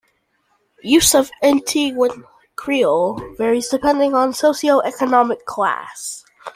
Use of Antiguan Creole varies depending on socio-economic class.